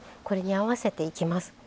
これに合わせていきます。